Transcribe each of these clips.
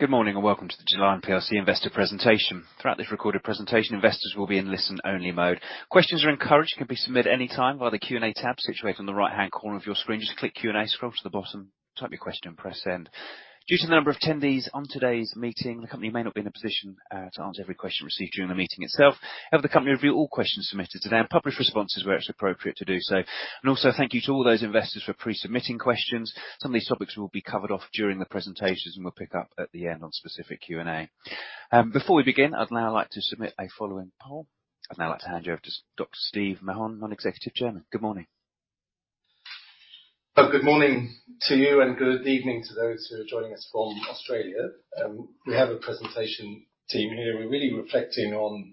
Good morning. Welcome to the Gelion plc investor presentation. Throughout this recorded presentation, investors will be in listen-only mode. Questions are encouraged and can be submitted anytime via the Q&A tab situated on the right-hand corner of your screen. Just click Q&A, scroll to the bottom, type your question, press Send. Due to the number of attendees on today's meeting, the company may not be in a position to answer every question received during the meeting itself. However, the company will review all questions submitted today and publish responses where it's appropriate to do so. Also thank you to all those investors for pre-submitting questions. Some of these topics will be covered off during the presentations and we'll pick up at the end on specific Q&A. Before we begin, I'd now like to submit a following poll. I'd now like to hand you over to Dr. Steve Mahon, Non-Executive Chairman. Good morning. Good morning to you, good evening to those who are joining us from Australia. We have a presentation team here. We're really reflecting on,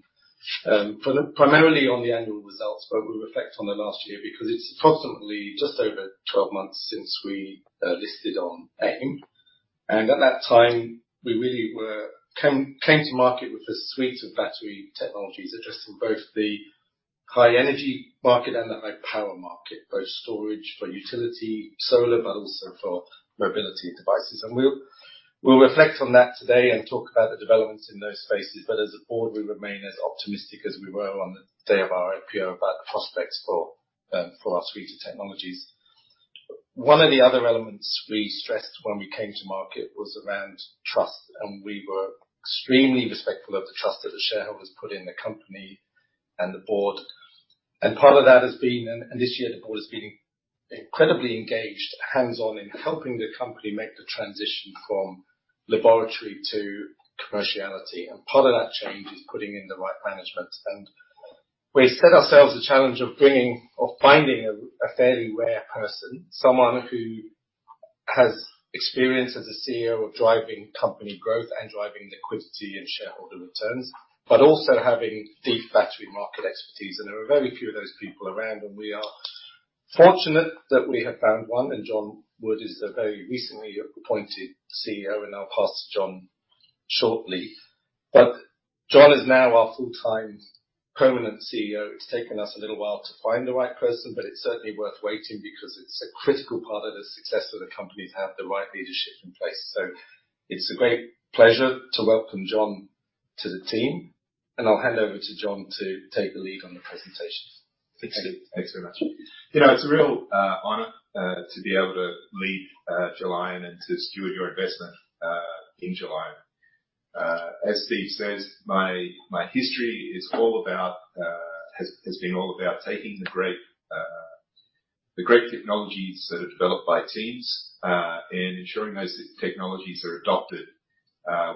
primarily on the annual results, but we'll reflect on the last year because it's approximately just over 12 months since we listed on AIM. At that time we really came to market with a suite of battery technologies addressing both the high energy market and the high power market, both storage for utility, solar, but also for mobility devices. We'll reflect on that today and talk about the developments in those spaces. As a board, we remain as optimistic as we were on the day of our IPO about the prospects for our suite of technologies. One of the other elements we stressed when we came to market was around trust, and we were extremely respectful of the trust that the shareholders put in the company and the board. Part of that has been, and this year the board has been incredibly engaged, hands-on in helping the company make the transition from laboratory to commerciality. Part of that change is putting in the right management. We set ourselves the challenge of bringing or finding a fairly rare person, someone who has experience as a CEO of driving company growth and driving liquidity and shareholder returns, but also having deep battery market expertise. There are very few of those people around, and we are fortunate that we have found one, and John Wood is the very recently appointed CEO. I'll pass to John shortly. John is now our full-time permanent CEO. It's taken us a little while to find the right person, but it's certainly worth waiting because it's a critical part of the success for the company to have the right leadership in place. It's a great pleasure to welcome John to the team, and I'll hand over to John to take the lead on the presentation. Thanks, Steve. Thanks very much. You know, it's a real honor to be able to lead Gelion and to steward your investment in Gelion. As Steve says, my history is all about has been all about taking the great technologies that are developed by teams and ensuring those technologies are adopted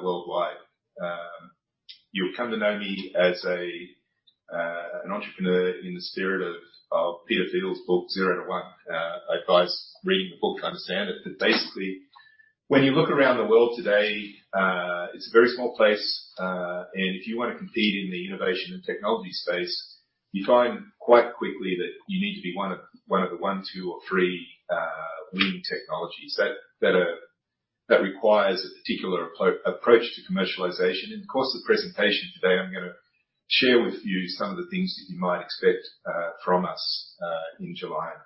worldwide. You'll come to know me as an entrepreneur in the spirit of Peter Thiel's book, Zero to One. I advise reading the book to understand it. Basically, when you look around the world today, it's a very small place, and if you wanna compete in the innovation and technology space, you find quite quickly that you need to be one of the one, two, or three leading technologies that requires a particular approach to commercialization. In the course of the presentation today, I'm gonna share with you some of the things that you might expect from us in Gelion.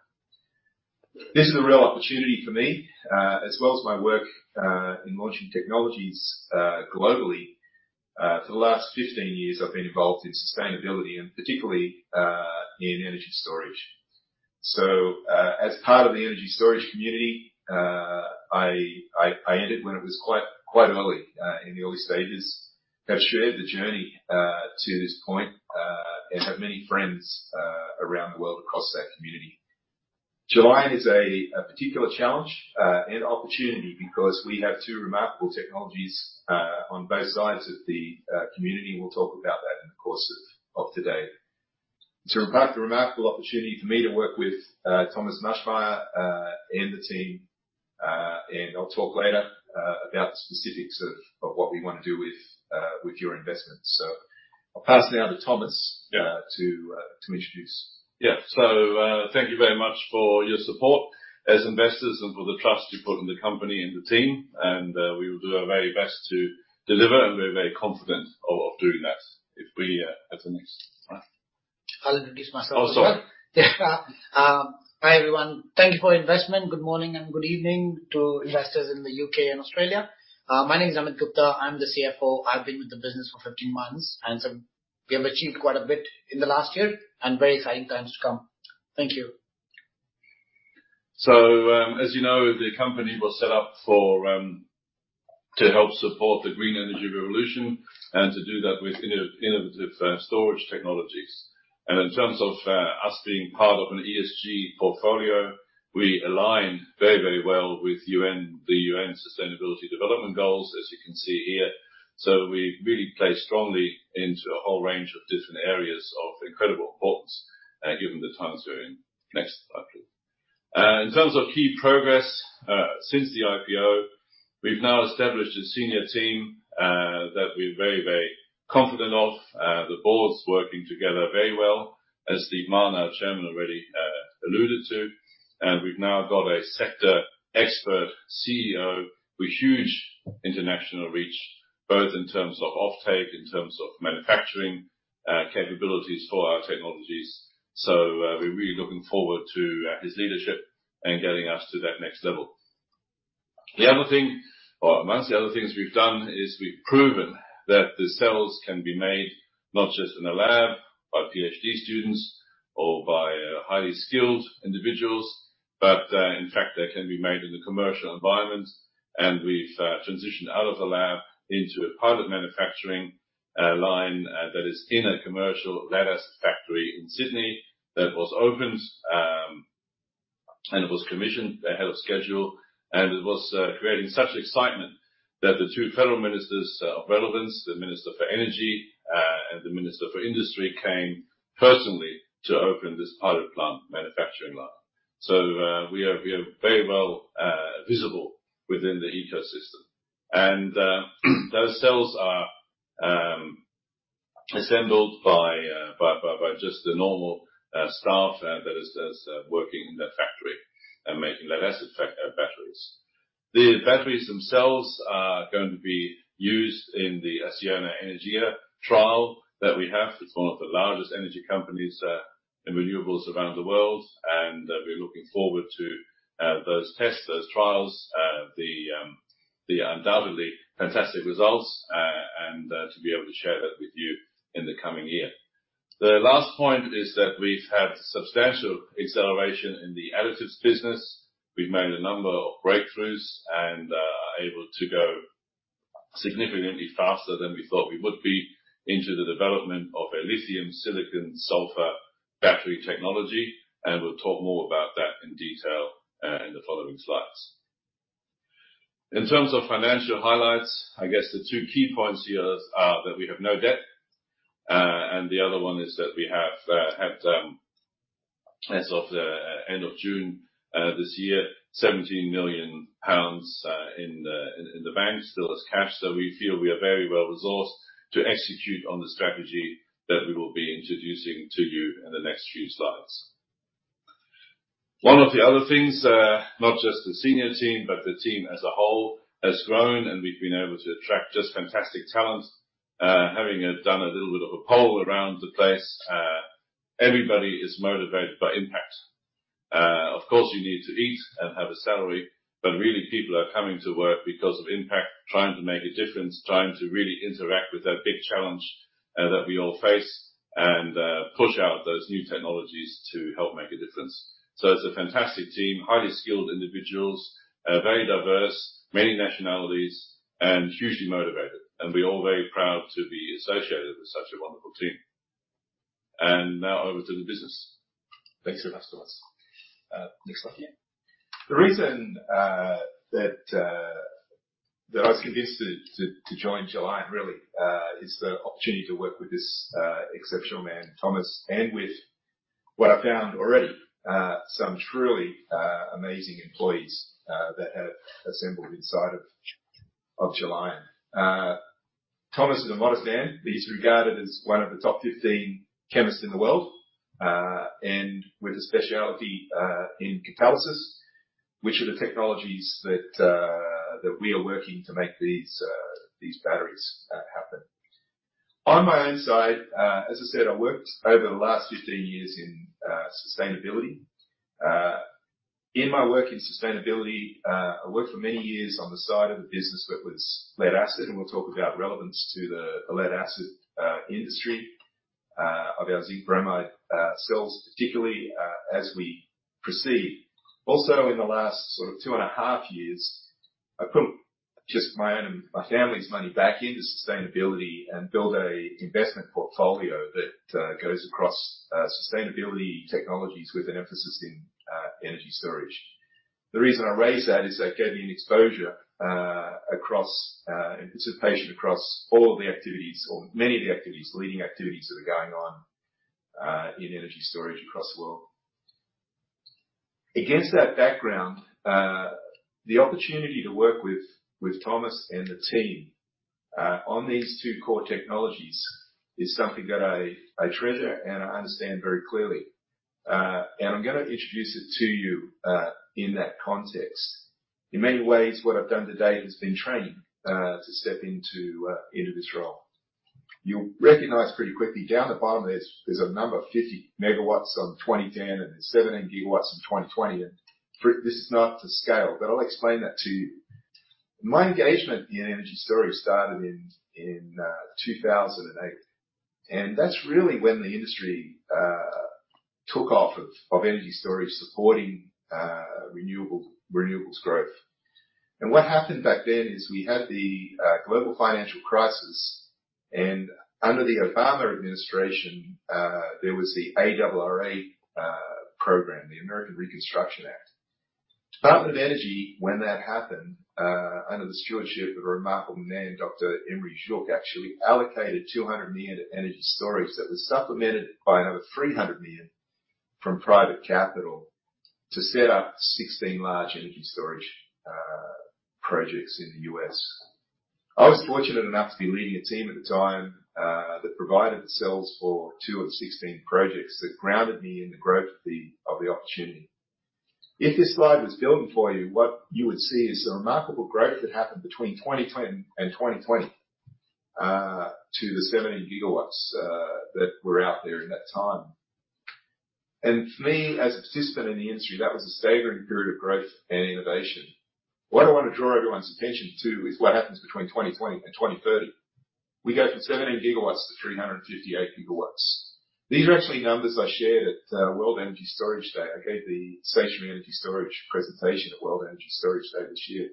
This is a real opportunity for me. As well as my work in launching technologies globally, for the last 15 years, I've been involved in sustainability and particularly in energy storage. As part of the energy storage community, I ended one of this quite in the early stages, have shared the journey to this point, and have many friends around the world across that community. Gelion is a particular challenge and opportunity because we have two remarkable technologies on both sides of the community. We'll talk about that in the course of today. It's a remarkable opportunity for me to work with Thomas Maschmeyer and the team. And I'll talk later about the specifics of what we wanna do with your investments. I'll pass now to Thomas to introduce. Yeah. Thank you very much for your support as investors and for the trust you put in the company and the team. We will do our very best to deliver and we're very confident of doing that if we, as a next. Right. I'll introduce myself as well. Oh, sorry. Hi, everyone. Thank you for investment. Good morning and good evening to investors in the U.K. and Australia. My name is Amit Gupta. I'm the CFO. I've been with the business for 15 months, and so we have achieved quite a bit in the last year and very exciting times to come. Thank you. As you know, the company was set up for to help support the green energy revolution and to do that with innovative storage technologies. In terms of us being part of an ESG portfolio, we align very, very well with UN, the UN Sustainable Development Goals, as you can see here. We really play strongly into a whole range of different areas of incredible importance given the times we're in. Next slide, please. In terms of key progress since the IPO, we've now established a senior team that we're very, very confident of. The board's working together very well, as Steve Mahon, our Chairman, already alluded to. We've now got a sector expert CEO with huge international reach, both in terms of offtake, in terms of manufacturing, capabilities for our technologies. We're really looking forward to his leadership. Getting us to that next level. The other thing, or amongst the other things we've done, is we've proven that the cells can be made not just in a lab by PhD students or by highly skilled individuals, but, in fact, they can be made in the commercial environment. We've transitioned out of the lab into a pilot manufacturing line that is in a commercial lead-acid factory in Sydney that was opened, and it was commissioned ahead of schedule, and it was creating such excitement that the two federal ministers of relevance, the Minister for Energy, and the Minister for Industry, came personally to open this pilot plant manufacturing line. We are very well visible within the ecosystem. Those cells are assembled by just the normal staff that is working in that factory and making lead-acid batteries. The batteries themselves are going to be used in the Acciona Energía trial that we have. It's one of the largest energy companies in renewables around the world, and we're looking forward to those tests, those trials, the undoubtedly fantastic results, and to be able to share that with you in the coming year. The last point is that we've had substantial acceleration in the additives business. We've made a number of breakthroughs and are able to go significantly faster than we thought we would be into the development of a lithium-silicon-sulfur battery technology, and we'll talk more about that in detail in the following slides. In terms of financial highlights, I guess the two key points here are that we have no debt, and the other one is that we have had as of the end of June this year, 17 million pounds in the bank still as cash. We feel we are very well-resourced to execute on the strategy that we will be introducing to you in the next few slides. One of the other things, not just the senior team, but the team as a whole has grown, and we've been able to attract just fantastic talent. Having done a little bit of a poll around the place, everybody is motivated by impact. Of course, you need to eat and have a salary, but really people are coming to work because of impact, trying to make a difference, trying to really interact with that big challenge that we all face and push out those new technologies to help make a difference. It's a fantastic team, highly skilled individuals, very diverse, many nationalities, and hugely motivated, and we're all very proud to be associated with such a wonderful team. Now over to the business. Thanks very much, Thomas. Next slide here. The reason that I was convinced to join Gelion really is the opportunity to work with this exceptional man, Thomas, and with what I found already some truly amazing employees that have assembled inside of Gelion. Thomas is a modest man, he's regarded as one of the top 15 chemists in the world. With a specialty in catalysis, which are the technologies that we are working to make these batteries happen. On my own side, as I said, I worked over the last 15 years in sustainability. In my work in sustainability, I worked for many years on the side of the business that was lead-acid. We'll talk about relevance to the lead-acid industry of our zinc bromide cells, particularly as we proceed. In the last sort of two and a half years, I put just my own and my family's money back into sustainability and built an investment portfolio that goes across sustainability technologies with an emphasis in energy storage. The reason I raise that is that gave me an exposure across and participation across all of the activities or many of the activities, leading activities that are going on in energy storage across the world. Against that background, the opportunity to work with Thomas and the team, on these two core technologies is something that I treasure and I understand very clearly. I'm gonna introduce it to you, in that context. In many ways, what I've done to date has been training to step into this role. You'll recognize pretty quickly down the bottom there's a number 50 MW on 2010 and 17 GW in 2020. This is not to scale, but I'll explain that to you. My engagement in energy storage started in 2008, that's really when the industry took off of energy storage supporting, renewable, renewables growth. What happened back then is we had the global financial crisis, and under the Obama administration, there was the ARRA program, the American Reconstruction Act. U.S. Department of Energy, when that happened, under the stewardship of a remarkable man, Dr. Imre Gyuk, actually allocated $200 million to energy storage that was supplemented by another $300 million from private capital to set up 16 large energy storage projects in the U.S. I was fortunate enough to be leading a team at the time that provided the cells for two of 16 projects that grounded me in the growth of the opportunity. If this slide was building for you, what you would see is the remarkable growth that happened between 2010 and 2020 to the 17 GW that were out there in that time. For me, as a participant in the industry, that was a staggering period of growth and innovation. What I want to draw everyone's attention to is what happens between 2020 and 2030. We go from 17 GW to 358 GW. These are actually numbers I shared at World Energy Storage Day. I gave the stationary energy storage presentation at World Energy Storage Day this year.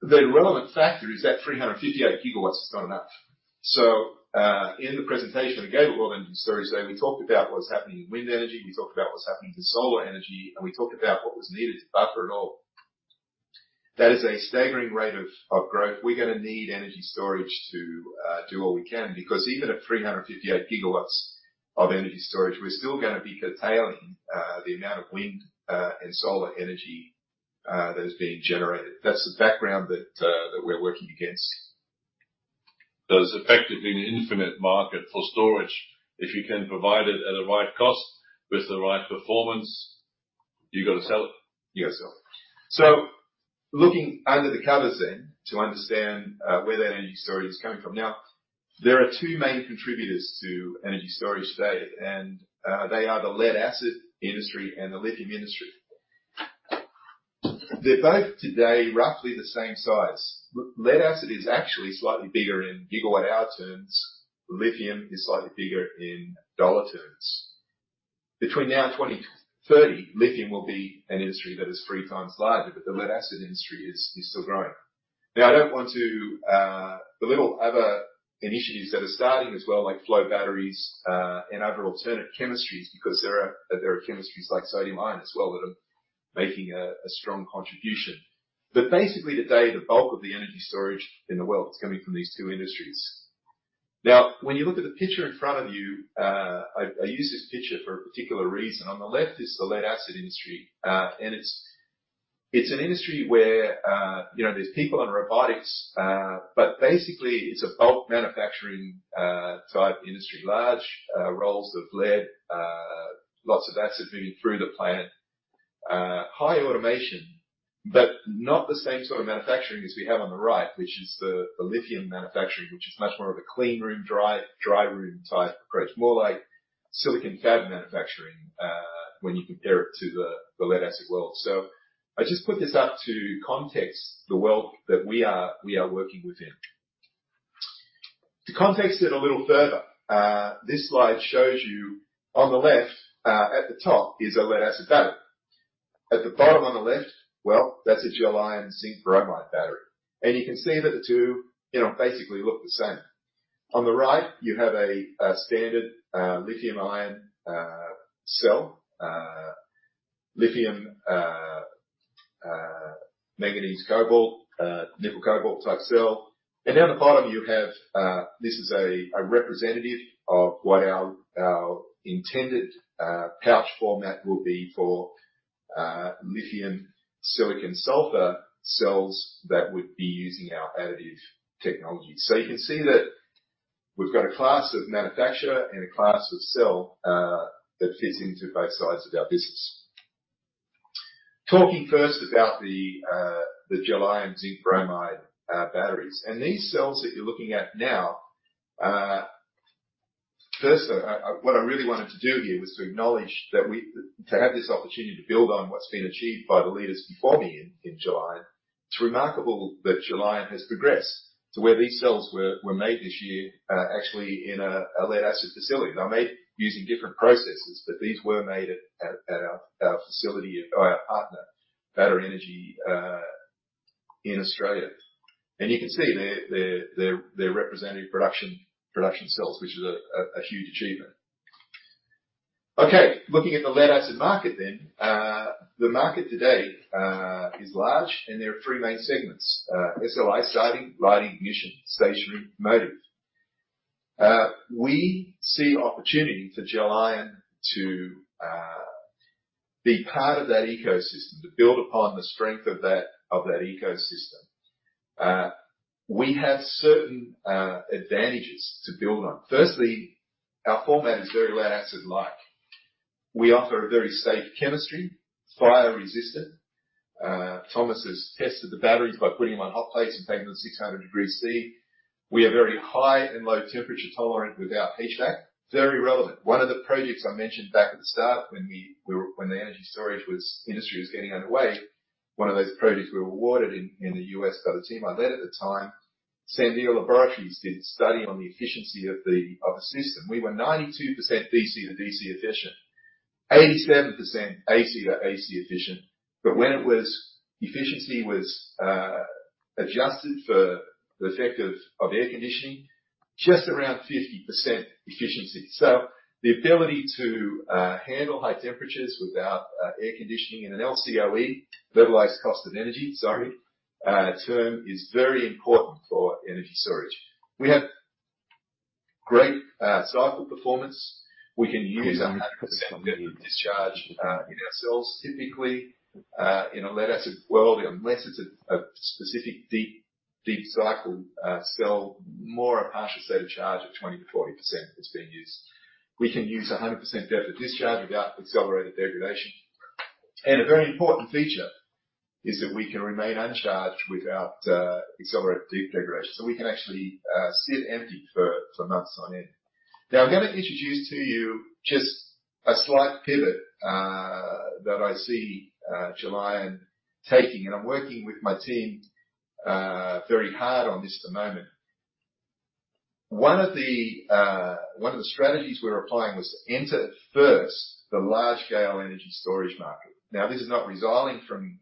The relevant factor is that 358 GW is not enough. In the presentation I gave at World Energy Storage Day, we talked about what was happening in wind energy, we talked about what was happening to solar energy, and we talked about what was needed to buffer it all. That is a staggering rate of growth. We're gonna need energy storage to do all we can because even at 358 GW of energy storage, we're still gonna be curtailing the amount of wind and solar energy that is being generated. That's the background that we're working against. There's effectively an infinite market for storage. If you can provide it at the right cost with the right performance, you've got to sell it. You've got to sell it. Looking under the covers then to understand where that energy storage is coming from. There are two main contributors to energy storage today, and they are the lead-acid industry and the lithium industry. They're both today roughly the same size. Lead-acid is actually slightly bigger in GWh terms. Lithium is slightly bigger in dollar terms. Between now and 2030, lithium will be an industry that is 3x larger. The lead-acid industry is still growing. I don't want to belittle other initiatives that are starting as well, like flow batteries and other alternative chemistries because there are chemistries like sodium-ion as well that are making a strong contribution. Basically today, the bulk of the energy storage in the world is coming from these two industries. When you look at the picture in front of you, I use this picture for a particular reason. On the left is the lead-acid industry. It's an industry where, you know, there's people and robotics, but basically it's a bulk manufacturing type industry. Large rolls of lead, lots of acid moving through the plant. High automation, not the same sort of manufacturing as we have on the right, which is the lithium manufacturing, which is much more of a clean room, dry room type approach. More like silicon fab manufacturing when you compare it to the lead-acid world. I just put this up to context the world that we are working within. To context it a little further, this slide shows you on the left, at the top is a lead-acid battery. At the bottom on the left, well, that's a Gelion zinc bromide battery. You can see that the two, you know, basically look the same. On the right you have a standard lithium-ion cell. Lithium manganese cobalt, nickel cobalt type cell. Down the bottom you have, this is a representative of what our intended pouch format will be for lithium silicon sulfur cells that would be using our additive technology. You can see that we've got a class of manufacturer and a class of cell that fits into both sides of our business. Talking first about the Gelion zinc bromide batteries. These cells that you're looking at now. Firstly, what I really wanted to do here was to acknowledge that to have this opportunity to build on what's been achieved by the leaders before me in Gelion. It's remarkable that Gelion has progressed to where these cells were made this year, actually in a lead-acid facility. They were made using different processes, but these were made at our facility by our partner, Battery Energy in Australia. You can see they're representative production cells, which is a huge achievement. Looking at the lead-acid market then. The market today is large and there are three main segments. SLI, starting, lighting, ignition, stationary, motive. We see opportunity for Gelion to be part of that ecosystem, to build upon the strength of that ecosystem. We have certain advantages to build on. Firstly, our format is very lead-acid-like. We offer a very safe chemistry, fire-resistant. Thomas has tested the batteries by putting them on hot plates and taking them to 600 degrees Celsius. We are very high and low temperature tolerant without HVAC. Very relevant. One of the projects I mentioned back at the start when the energy storage industry was getting underway, one of those projects we were awarded in the U.S. by the team I led at the time, Sandia Laboratories did a study on the efficiency of a system. We were 92% DC-DC efficient, 87% AC-AC efficient, when efficiency was adjusted for the effect of air conditioning, just around 50% efficiency. The ability to handle high temperatures without air conditioning in an LCOE, levelized cost of energy, sorry, term, is very important for energy storage. We have great cycle performance. We can use 100% depth of discharge in our cells. Typically, in a lead-acid world, unless it's a specific deep cycle cell, more a partial state of charge of 20%-40% is being used. We can use 100% depth of discharge without accelerated degradation. A very important feature is that we can remain uncharged without accelerated degradation. We can actually sit empty for months on end. I'm gonna introduce to you just a slight pivot that I see Gelion taking, and I'm working with my team very hard on this at the moment. One of the strategies we're applying was to enter first the large scale energy storage market. This is not resolving from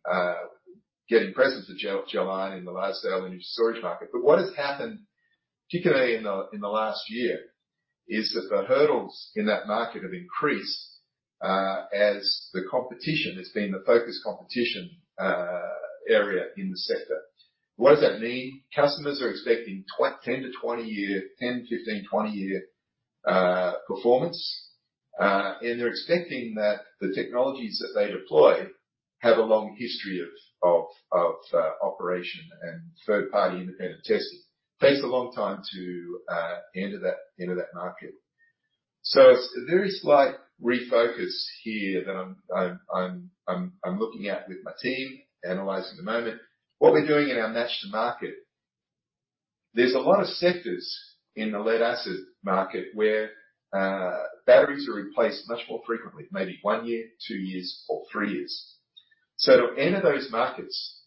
getting presence of Gelion in the large scale energy storage market. What has happened, particularly in the last year, is that the hurdles in that market have increased as the competition. It's been the focus competition area in the sector. What does that mean? Customers are expecting 10 to 20 year, 10, 15, 20 year performance. They're expecting that the technologies that they deploy have a long history of operation and third-party independent testing. Takes a long time to enter that market. A very slight refocus here that I'm looking at with my team, analyzing the moment. What we're doing in our match to market. There's a lot of sectors in the lead-acid market where batteries are replaced much more frequently, maybe one year, two years or three years. To enter those markets,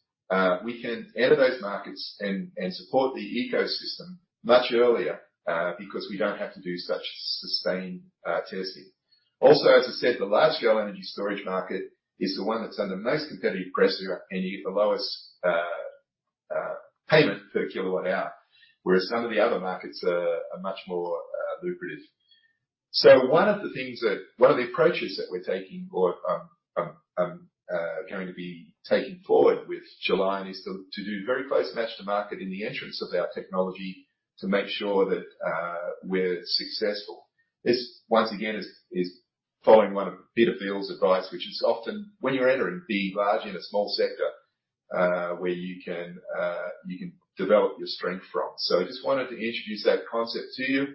we can enter those markets and support the ecosystem much earlier because we don't have to do such sustained testing. Also, as I said, the large scale energy storage market is the one that's under most competitive pressure, and you get the lowest payment per kilowatt hour, whereas some of the other markets are much more lucrative. One of the approaches that we're taking or going to be taking forward with Gelion is to do very close match to market in the entrance of our technology to make sure that we're successful. This once again is following one of Peter Thiel's advice, which is often when you're entering, be large in a small sector, where you can, you can develop your strength from. I just wanted to introduce that concept to you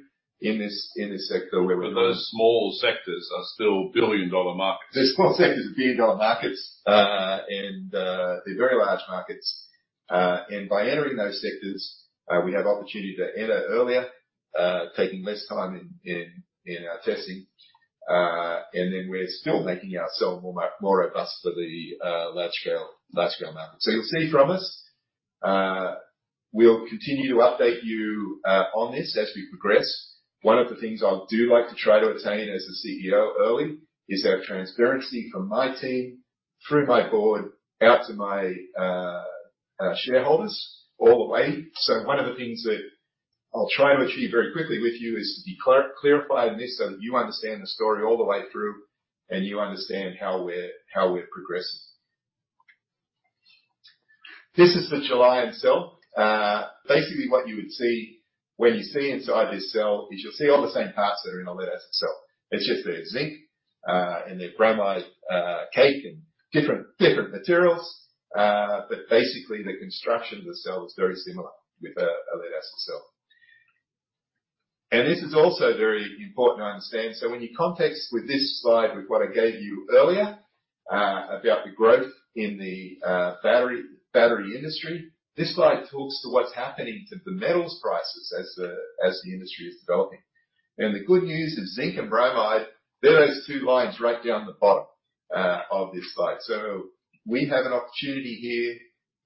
in this, in this sector where we're- Those small sectors are still billion-dollar markets. Those small sectors are billion-dollar markets. They're very large markets. By entering those sectors, we have opportunity to enter earlier, taking less time in our testing. We're still making our cell more robust for the large scale market. You'll see from us, we'll continue to update you on this as we progress. One of the things I do like to try to attain as a CEO early is that transparency from my team, through my board, out to my shareholders all the way. One of the things that I'll try and achieve very quickly with you is to clarify this so that you understand the story all the way through and you understand how we're progressing. This is the Gelion cell. Basically what you would see when you see inside this cell is you'll see all the same parts that are in a lead-acid cell. It's just there's zinc and there's bromide cake and different materials. Basically the construction of the cell is very similar with a lead-acid cell. This is also very important to understand. When you context with this slide with what I gave you earlier about the growth in the battery industry, this slide talks to what's happening to the metals prices as the industry is developing. The good news is zinc and bromide, they're those two lines right down the bottom of this slide. We have an opportunity here,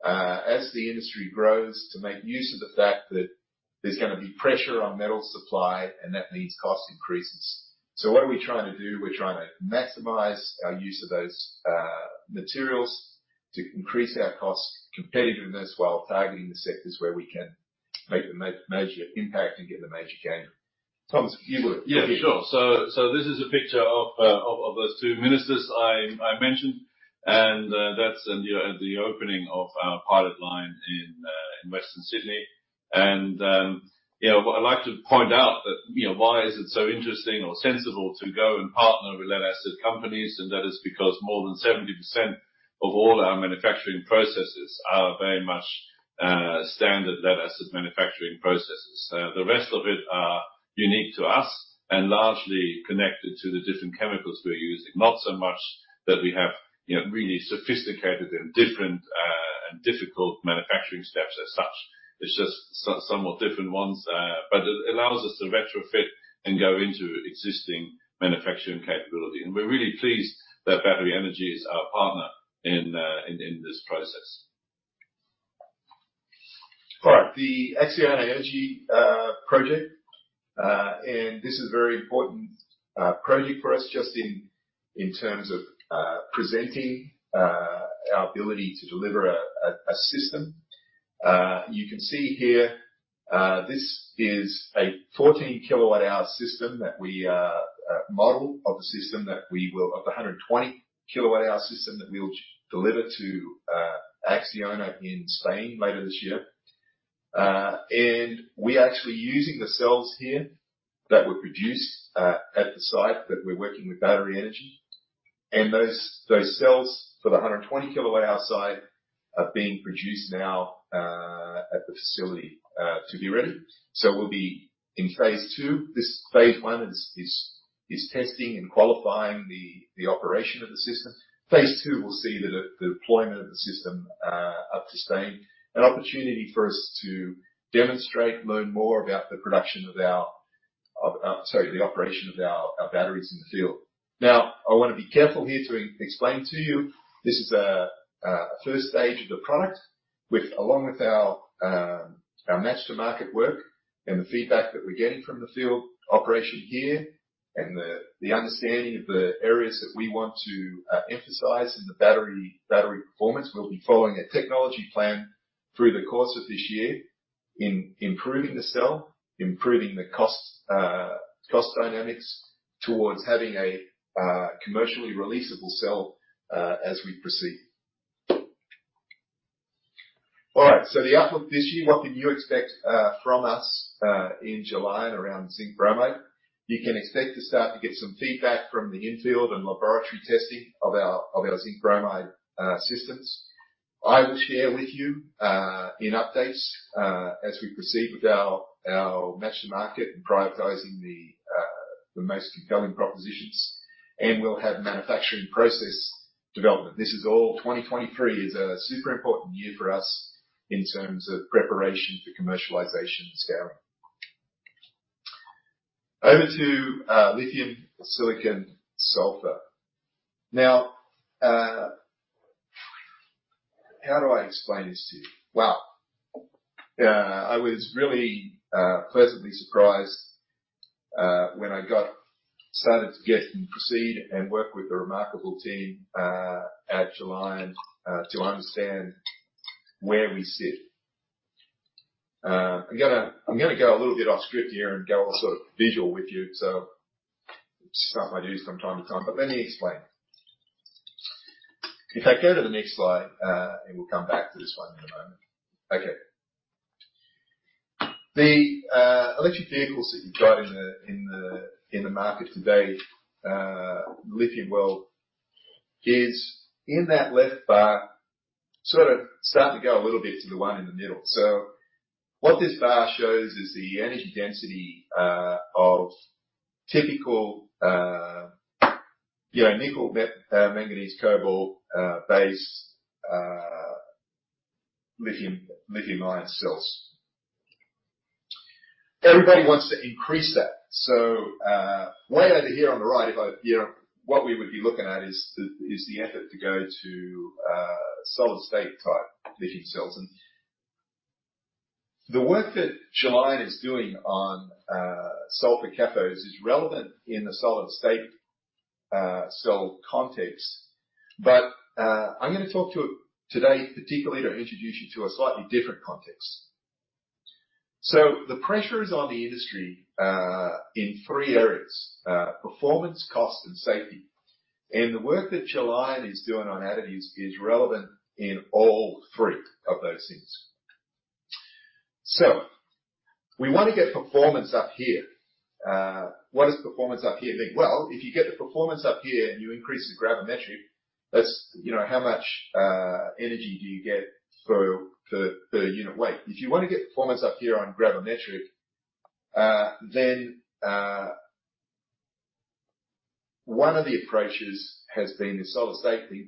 as the industry grows to make use of the fact that there's gonna be pressure on metal supply and that leads to cost increases. What are we trying to do? We're trying to maximize our use of those materials to increase our cost competitiveness while targeting the sectors where we can make the major impact and get the major gain. Thomas, if you would. Yeah, sure. This is a picture of those two ministers I mentioned, that's, you know, at the opening of our pilot line in Western Sydney. You know, what I'd like to point out that, you know, why is it so interesting or sensible to go and partner with lead-acid companies? That is because more than 70% of all our manufacturing processes are very much standard lead-acid manufacturing processes. The rest of it are unique to us and largely connected to the different chemicals we're using. Not so much that we have, you know, really sophisticated and different and difficult manufacturing steps as such. It's just somewhat different ones. It allows us to retrofit and go into existing manufacturing capability. We're really pleased that Battery Energy is our partner in this process. All right. The Acciona Energía project. This is very important project for us just in terms of presenting our ability to deliver a system. You can see here, this is a 14 kWh system that we model of a 120 kWh system that we'll deliver to Acciona in Spain later this year. We're actually using the cells here that were produced at the site that we're working with Battery Energy. Those cells for the 120 kWh site are being produced now at the facility to be ready. We'll be in phase two. This phase one is testing and qualifying the operation of the system. Phase two will see the deployment of the system up to Spain. An opportunity for us to demonstrate, learn more about the operation of our batteries in the field. I wanna be careful here to explain to you, this is a first stage of the product with, along with our match to market work and the feedback that we're getting from the field operation here and the understanding of the areas that we want to emphasize in the battery performance. We'll be following a technology plan through the course of this year in improving the cell, improving the cost dynamics towards having a commercially releasable cell as we proceed. Alright, so, the outlook this year, what can you expect from us in Gelion and around zinc bromide? You can expect to start to get some feedback from the infield and laboratory testing of our, of our zinc bromide systems. I will share with you in updates as we proceed with our match to market and prioritizing the most compelling propositions. We'll have manufacturing process development. 2023 is a super important year for us in terms of preparation for commercialization and scaling. Over to lithium-silicon-sulfur. Now, how do I explain this to you? Well, I was really pleasantly surprised when I started to get and proceed and work with the remarkable team at Gelion to understand where we sit. I'm gonna go a little bit off script here and go all sort of visual with you, so it's something I do from time to time, but let me explain. If I go to the next slide, and we'll come back to this one in a moment. Okay. The electric vehicles that you've got in the market today, lithium world is in that left bar, sort of starting to go a little bit to the one in the middle. What this bar shows is the energy density of typical, you know, nickel manganese cobalt base lithium-ion cells. Everybody wants to increase that. Way over here on the right above here, what we would be looking at is the effort to go to solid-state type lithium cells. The work that Gelion is doing on sulfur cathodes is relevant in the solid-state cell context. I'm gonna talk to you today particularly to introduce you to a slightly different context. The pressure is on the industry in three areas: performance, cost and safety. The work that Gelion is doing on additives is relevant in all three of those things. We wanna get performance up here. What does performance up here mean? Well, if you get the performance up here and you increase the gravimetric, that's, you know, how much energy do you get per unit weight. If you wanna get performance up here on gravimetric, then one of the approaches has been the solid-state thing.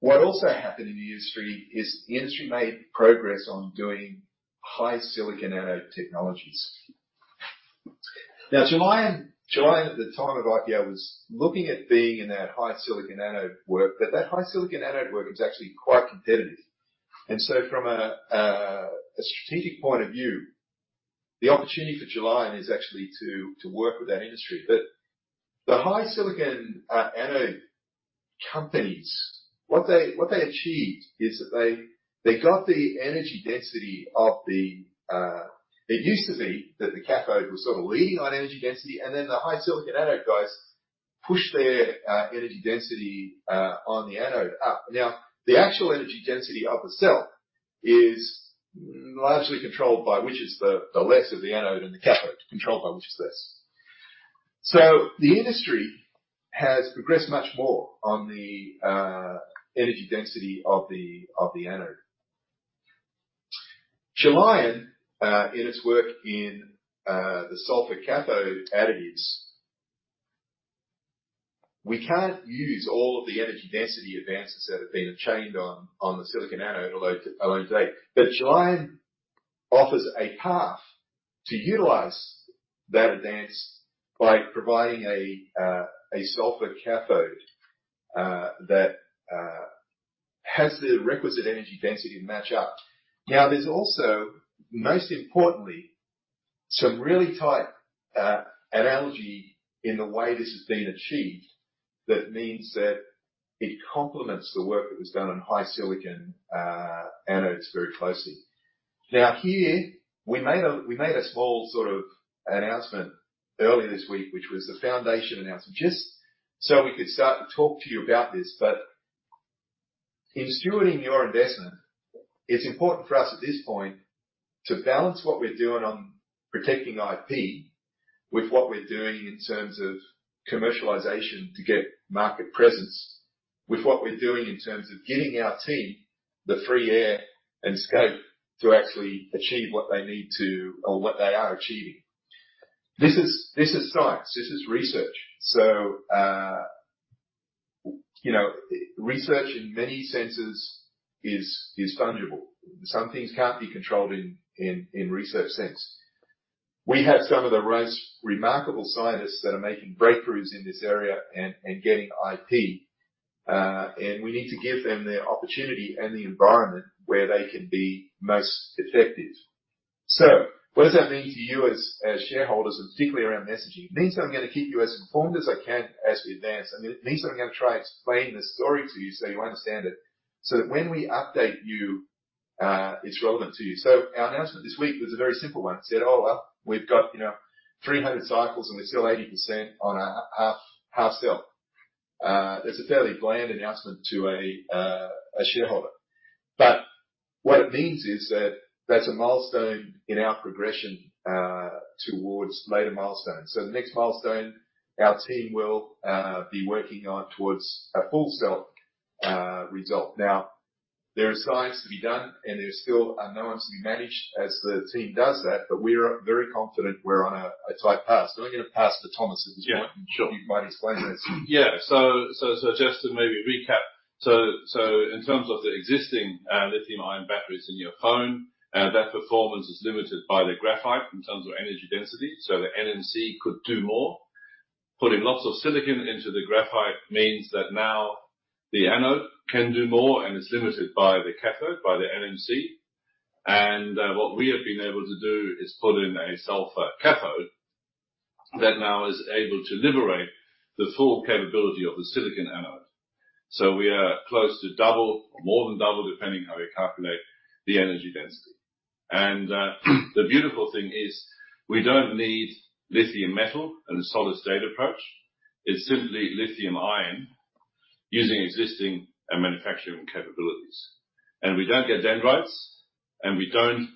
What also happened in the industry is the industry made progress on doing high-silicon anode technologies. Gelion at the time of IPO was looking at being in that high-silicon anode work. That high-silicon anode work is actually quite competitive. From a strategic point of view, the opportunity for Gelion is actually to work with that industry. The high-silicon anode companies, what they achieved is that they got the energy density of the. It used to be that the cathode was sort of leading on energy density, and then the high-silicon anode guys pushed their energy density on the anode up. The actual energy density of a cell is largely controlled by which is the less of the anode and the cathode controlled by which is less. The industry has progressed much more on the energy density of the anode. Gelion, in its work in the sulfur cathode additives, we can't use all of the energy density advances that have been achieved on the silicon anode, although today. Gelion offers a path to utilize that advance by providing a sulfur cathode that has the requisite energy density to match up. There's also, most importantly, some really tight analogy in the way this has been achieved that means that it complements the work that was done on high-silicon anodes very closely. Here, we made a small sort of announcement earlier this week, which was the foundation announcement, just so we could start to talk to you about this. In stewarding your investment. It's important for us at this point to balance what we're doing on protecting IP with what we're doing in terms of commercialization to get market presence with what we're doing in terms of getting our team the free air and scope to actually achieve what they need to or what they are achieving. This is science. This is research. You know, research in many senses is fungible. Some things can't be controlled in research sense. We have some of the most remarkable scientists that are making breakthroughs in this area and getting IP. And we need to give them the opportunity and the environment where they can be most effective. What does that mean to you as shareholders and particularly around messaging? It means that I'm gonna keep you as informed as I can as we advance, and it means that I'm gonna try explaining the story to you so you understand it, so that when we update you, it's relevant to you. Our announcement this week was a very simple one. It said, "Well, we've got, you know, 300 cycles, and they're still 80% on a half cell." That's a fairly bland announcement to a shareholder. What it means is that that's a milestone in our progression towards later milestones. The next milestone our team will be working on towards a full cell result. Now, there is science to be done, and there's still unknowns to be managed as the team does that, but we're very confident we're on a tight path. I'm gonna pass to Thomas at this point. Yeah, sure. He might explain that. Yeah. Just to maybe recap. In terms of the existing lithium-ion batteries in your phone, that performance is limited by the graphite in terms of energy density. The NMC could do more. Putting lots of silicon into the graphite means that now the anode can do more and is limited by the cathode, by the NMC. What we have been able to do is put in a sulfur cathode that now is able to liberate the full capability of the silicon anode. We are close to double or more than double, depending how you calculate the energy density. The beautiful thing is we don't need lithium metal and the solid-state approach. It's simply lithium-ion using existing manufacturing capabilities. We don't get dendrites, and we don't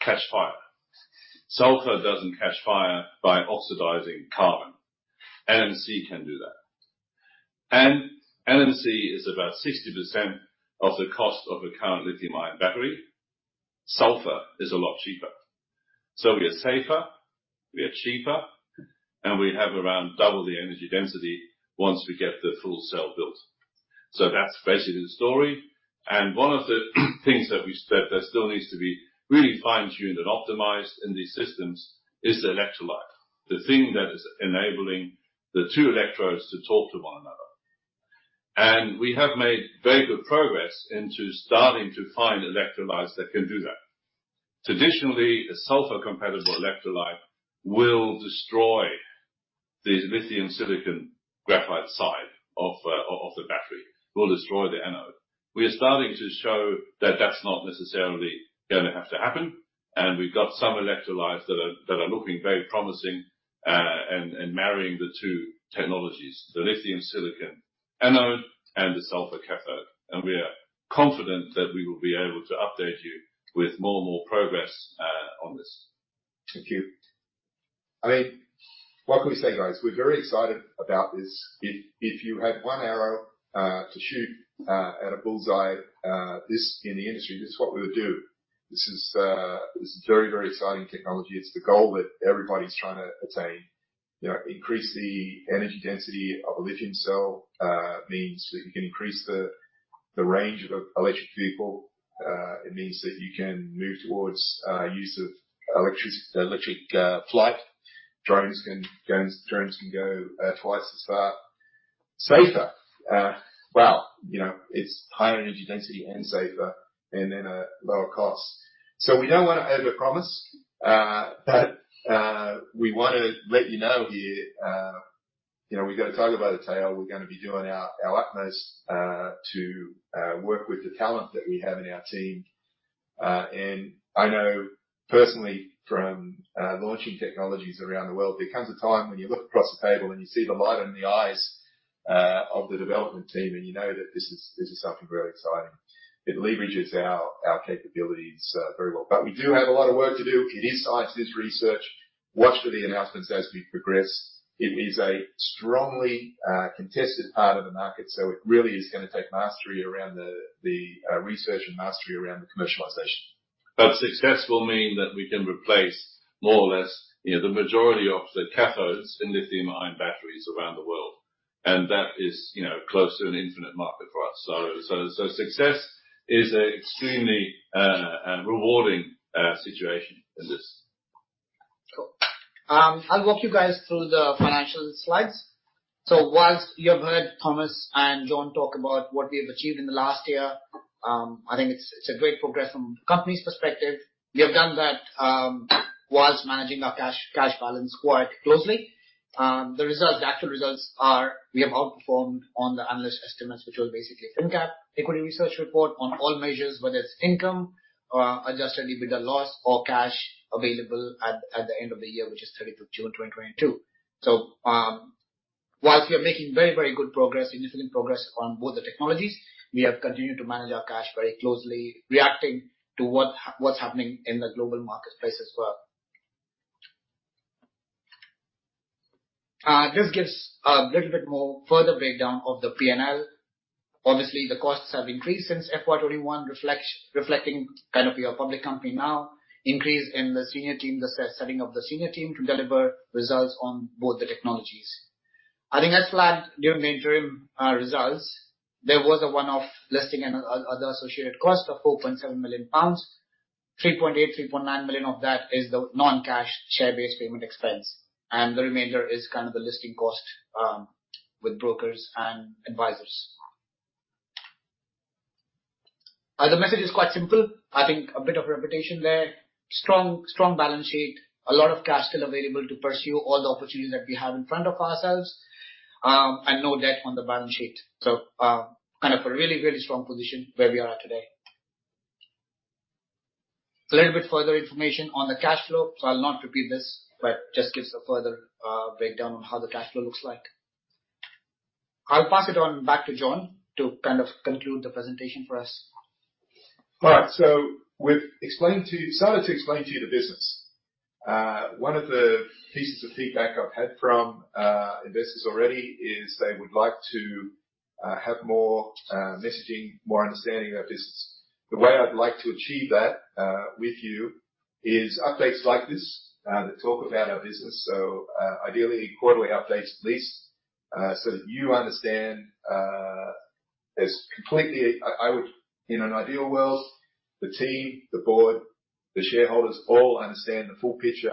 catch fire. Sulfur doesn't catch fire by oxidizing carbon. NMC can do that. NMC is about 60% of the cost of a current lithium-ion battery. Sulfur is a lot cheaper. We are safer, we are cheaper, and we have around double the energy density once we get the full cell built. That's basically the story. One of the things that we said that still needs to be really fine-tuned and optimized in these systems is the electrolyte, the thing that is enabling the two electrodes to talk to one another. We have made very good progress into starting to find electrolytes that can do that. Traditionally, a sulfur-compatible electrolyte will destroy the lithium-silicon graphite side of the battery, will destroy the anode. We are starting to show that that's not necessarily gonna have to happen, and we've got some electrolytes that are looking very promising, and marrying the two technologies, the lithium silicon anode and the sulfur cathode. We are confident that we will be able to update you with more and more progress on this. Thank you. I mean, what can we say, guys? We're very excited about this. If you had one arrow to shoot at a bullseye in the industry, this is what we would do. This is very, very exciting technology. It's the goal that everybody's trying to attain. You know, increase the energy density of a lithium cell means that you can increase the range of electric vehicle. It means that you can move towards use of electric flight. Drones can go twice as far. Safer. Well, you know, it's higher energy density and safer and in a lower cost. We don't wanna overpromise, but we wanna let you know here, you know, we've got a tiger by the tail. We're gonna be doing our utmost to work with the talent that we have in our team. I know personally from launching technologies around the world, there comes a time when you look across the table and you see the light in the eyes of the development team, and you know that this is something very exciting. It leverages our capabilities very well. We do have a lot of work to do. It is science. It is research. Watch for the announcements as we progress. It is a strongly contested part of the market. It really is gonna take mastery around the research and mastery around the commercialization. Successful mean that we can replace more or less, you know, the majority of the cathodes in lithium-ion batteries around the world. That is, you know, close to an infinite market for us. So success is a extremely rewarding situation in this. Cool. I'll walk you guys through the financial slides. Whilst you have heard Thomas and John talk about what we have achieved in the last year, I think it's a great progress from the company's perspective. We have done that whilst managing our cash balance quite closely. The results, the actual results are we have outperformed on the analyst estimates, which was basically finnCap equity research report on all measures, whether it's income or adjusted EBITDA loss or cash available at the end of the year, which is 31st June 2022. Whilst we are making very good progress, initial progress on both the technologies, we have continued to manage our cash very closely, reacting to what's happening in the global marketplace as well. This gives a little bit more further breakdown of the P&L. Obviously, the costs have increased since FY 2021, reflecting kind of we are a public company now. Increase in the senior team, the setting of the senior team to deliver results on both the technologies. I think I flagged during the interim results, there was a one-off listing and other associated costs of 4.7 million pounds. 3.8 million-3.9 million of that is the non-cash share-based payment expense, and the remainder is kind of the listing cost with brokers and advisors. The message is quite simple. I think a bit of repetition there. Strong balance sheet. A lot of cash still available to pursue all the opportunities that we have in front of ourselves, and no debt on the balance sheet. kind of a really, really strong position where we are at today. A little bit further information on the cash flow. I'll not repeat this, but just gives a further breakdown on how the cash flow looks like. I'll pass it on back to John to kind of conclude the presentation for us. All right. We've started to explain to you the business. One of the pieces of feedback I've had from investors already is they would like to have more messaging, more understanding of our business. The way I'd like to achieve that with you is updates like this that talk about our business, ideally quarterly updates at least, so that you understand. In an ideal world, the team, the board, the shareholders all understand the full picture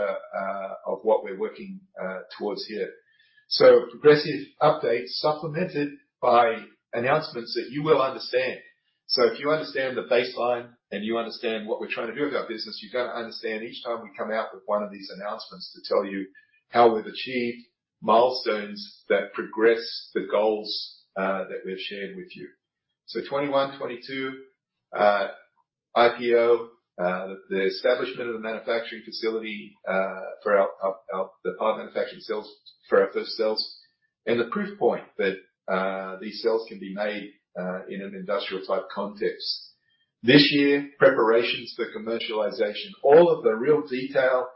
of what we're working towards here. Progressive updates supplemented by announcements that you will understand. If you understand the baseline and you understand what we're trying to do with our business, you're gonna understand each time we come out with one of these announcements to tell you how we've achieved milestones that progress the goals that we've shared with you. 2021, 2022, IPO, the establishment of the manufacturing facility for the part manufacturing cells for our first cells, and the proof point that these cells can be made in an industrial type context. This year, preparations for commercialization, all of the real detail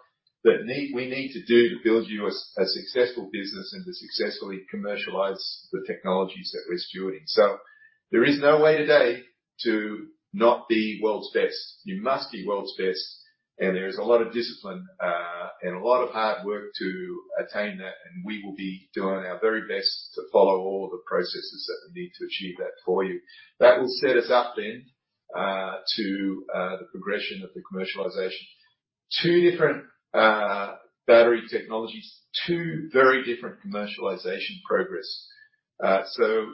that we need to do to build you a successful business and to successfully commercialize the technologies that we're stewarding. There is no way today to not be world's best. You must be world's best. There is a lot of discipline and a lot of hard work to attain that, and we will be doing our very best to follow all the processes that we need to achieve that for you. That will set us up then to the progression of the commercialization. Two different battery technologies, two very different commercialization progress.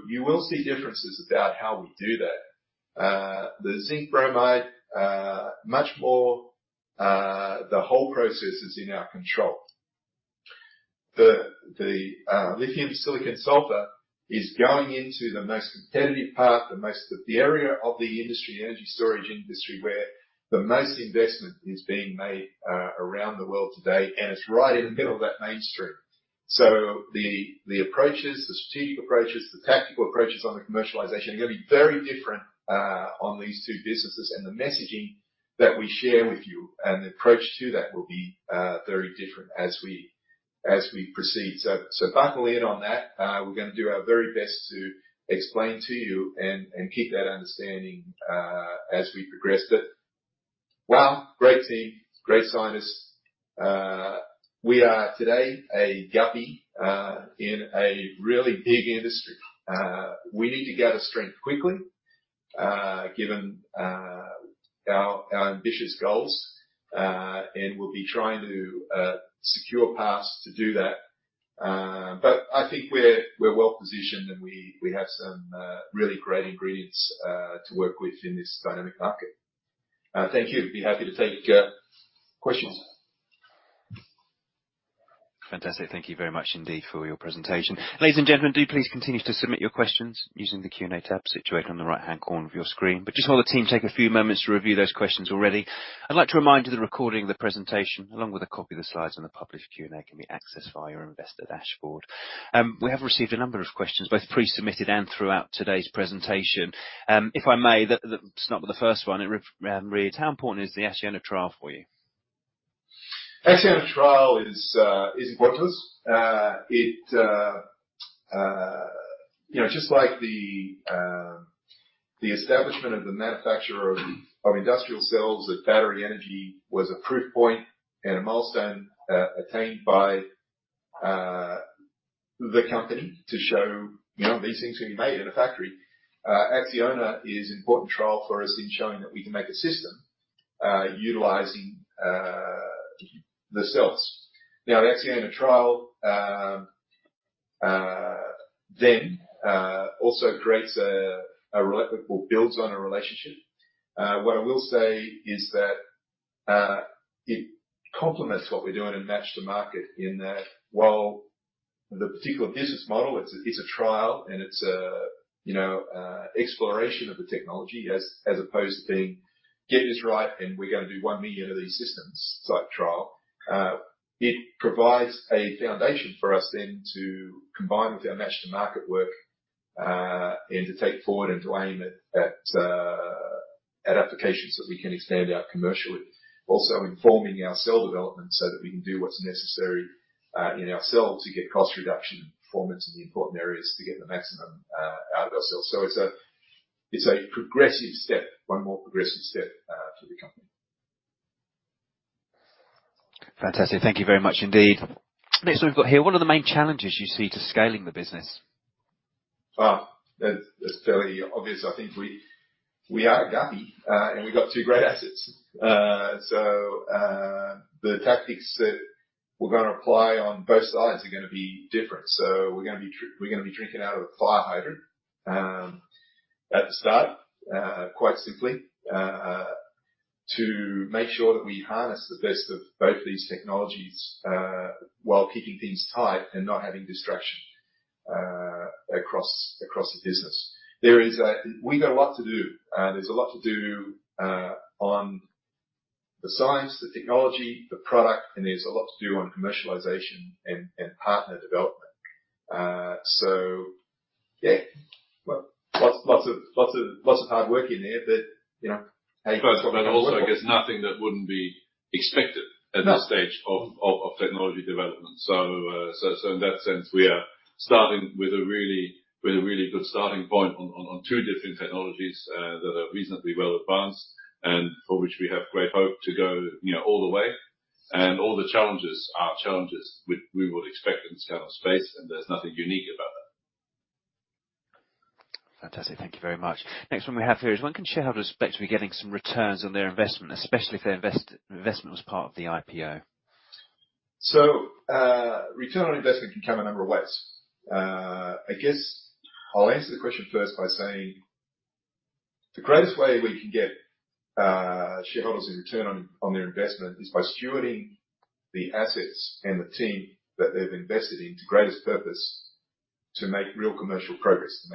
You will see differences about how we do that. The zinc bromide much more, the whole process is in our control. The lithium-silicon-sulfur is going into the most competitive part, the area of the industry, energy storage industry, where the most investment is being made around the world today, and it's right in the middle of that mainstream. The approaches, the strategic approaches, the tactical approaches on the commercialization are gonna be very different on these two businesses. The messaging that we share with you and the approach to that will be very different as we proceed. Buckle in on that. We're gonna do our very best to explain to you and keep that understanding as we progress but, wow, great team, great scientists. We are today a guppy in a really big industry. We need to gather strength quickly given our ambitious goals. We'll be trying to secure paths to do that. I think we're well-positioned, and we have some really great ingredients to work with in this dynamic market. Thank you. Be happy to take questions. Fantastic. Thank you very much indeed for your presentation. Ladies and gentlemen, do please continue to submit your questions using the Q&A tab situated on the right-hand corner of your screen. Just while the team take a few moments to review those questions already, I'd like to remind you the recording of the presentation along with a copy of the slides and the published Q&A can be accessed via your investor dashboard. We have received a number of questions, both pre-submitted and throughout today's presentation. If I may, start with the first one. It reads, "How important is the Acciona trial for you? Acciona trial is important to us. It, you know, just like the establishment of the manufacturer of the, of industrial cells at Battery Energy was a proof point and a milestone attained by the company to show, you know, these things can be made in a factory. Acciona is important trial for us in showing that we can make a system utilizing the cells. Now, the Acciona trial then also creates or builds on a relationship. What I will say is that, it complements what we do in Match the Market in that while the particular business model, it's a, it's a trial and You know, exploration of the technology as opposed to being get this right and we're gonna do 1 million of these systems site trial. It provides a foundation for us then to combine with our match to market work, and to take forward and to aim it at applications that we can expand out commercially. Also informing our cell development so that we can do what's necessary in our cell to get cost reduction performance in the important areas to get the maximum out of our cells. It's a, it's a progressive step, one more progressive step, for the company. Fantastic. Thank you very much indeed. Next one we've got here. What are the main challenges you see to scaling the business? That's fairly obvious. I think we are a guppy, and we've got two great assets. The tactics that we're gonna apply on both sides are gonna be different. We're gonna be drinking out of a fire hydrant at the start, quite simply, to make sure that we harness the best of both these technologies, while keeping things tight and not having distraction across the business. We've got a lot to do. There's a lot to do on the science, the technology, the product, and there's a lot to do on commercialization and partner development. Yeah. Lots of hard work in there that, you know. Also, I guess nothing that wouldn't be expected. No. At this stage of technology development. In that sense, we are starting with a really good starting point on two different technologies, that are reasonably well advanced and for which we have great hope to go, you know, all the way and all the challenges are challenges we would expect in this kind of space, and there's nothing unique about that. Fantastic. Thank you very much. Next one we have here is: When can shareholders expect to be getting some returns on their investment, especially if their investment was part of the IPO? Return on investment can come a number of ways. I guess I'll answer the question first by saying the greatest way we can get shareholders a return on their investment is by stewarding the assets and the team that they've invested in to greatest purpose to make real commercial progress,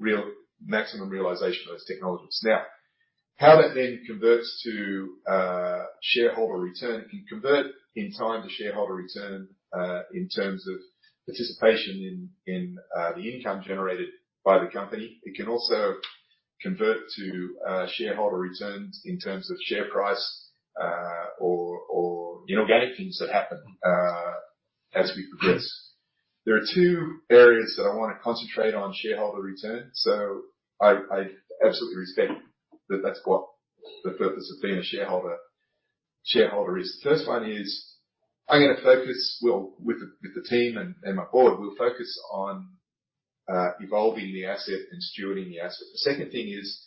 to make real maximum realization of those technologies. How that then converts to shareholder return. It can convert in time to shareholder return, in terms of participation in the income generated by the company. It can also convert to shareholder returns in terms of share price, or inorganic things that happen as we progress. There are two areas that I wanna concentrate on shareholder return. I absolutely respect that that's what the purpose of being a shareholder is. The first one is I'm gonna focus. Well, with the team and my board, we'll focus on evolving the asset and stewarding the asset. The second thing is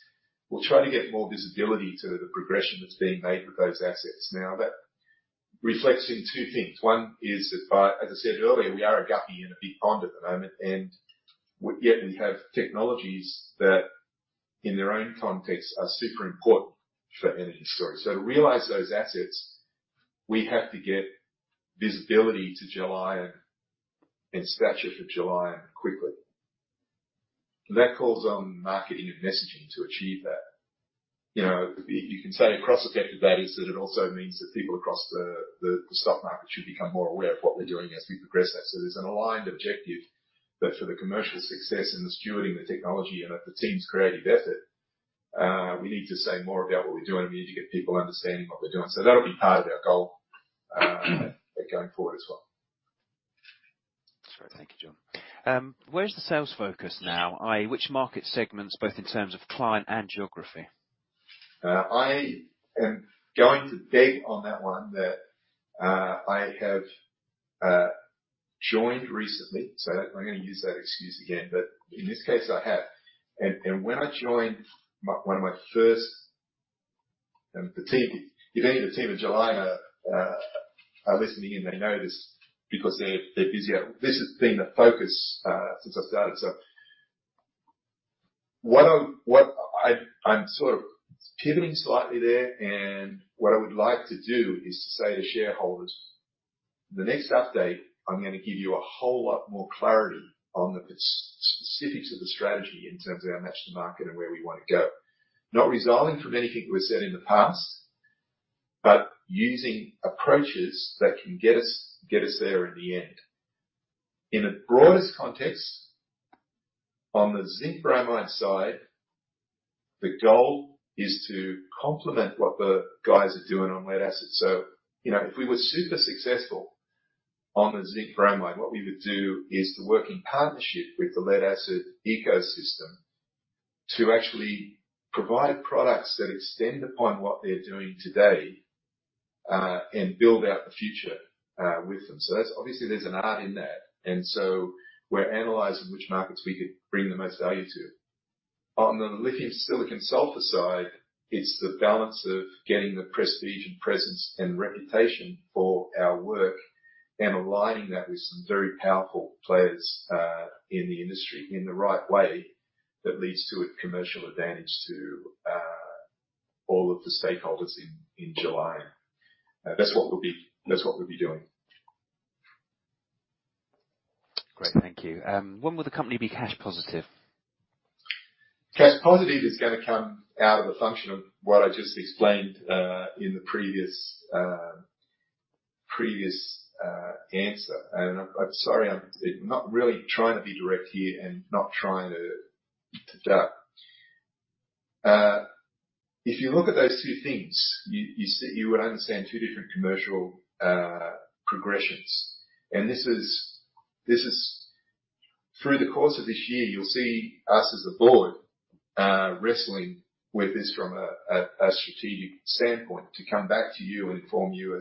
we'll try to get more visibility to the progression that's being made with those assets. Now, that reflects in two things. One is that, as I said earlier, we are a guppy in a big pond at the moment, yet we have technologies that, in their own context, are super important for energy storage. To realize those assets, we have to get visibility to Gelion and stature for Gelion quickly. That calls on marketing and messaging to achieve that. You know, you can say a cross effect of that is that it also means that people across the stock market should become more aware of what we're doing as we progress that. There's an aligned objective that for the commercial success and the stewarding the technology and of the team's creative effort, we need to say more about what we're doing. We need to get people understanding what we're doing. That'll be part of our goal going forward as well. That's right. Thank you, John. Where's the sales focus now? I.e., which market segments, both in terms of client and geography? I am going to beg on that one that I have joined recently. So I'm going to use that excuse again, but in this case, I have. And when I joined, one of my first, the team, if any of the team at Gelion are listening in, they know this because they're busy. This has been a focus since I started. So what I'm, what I'm sort of pivoting slightly there and what I would like to do is to say to shareholders, the next update, I'm going to give you a whole lot more clarity on the specifics of the strategy in terms of our match to market and where we want to go. Not resiling from anything that was said in the past, but using approaches that can get us, get us there in the end. In the broadest context, on the zinc bromide side, the goal is to complement what the guys are doing on lead-acid. You know, if we were super successful on the zinc bromide, what we would do is to work in partnership with the lead-acid ecosystem to actually provide products that extend upon what they're doing today, and build out the future with them. That's obviously there's an art in that, we're analyzing which markets we could bring the most value to. On the lithium-silicon-sulfur side, it's the balance of getting the prestige and presence and reputation for our work and aligning that with some very powerful players in the industry in the right way that leads to a commercial advantage to all of the stakeholders in Gelion. That's what we'll be doing. Great. Thank you. When will the company be cash positive? Cash positive is gonna come out of a function of what I just explained in the previous answer. I'm sorry, I'm not really trying to be direct here and not trying to duck. If you look at those two things, you would understand two different commercial progressions. Through the course of this year, you'll see us as a board wrestling with this from a strategic standpoint to come back to you and inform you